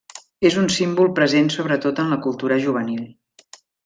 És un símbol present sobretot en la cultura juvenil.